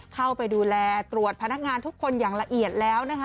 เข้าไปดูแลตรวจพนักงานทุกคนอย่างละเอียดแล้วนะคะ